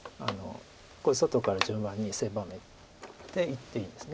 これ外から順番に狭めていっていいです。